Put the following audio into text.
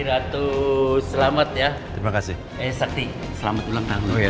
piratus selamat ya terima kasih eh sakti selamat ulang tahun ya terima kasih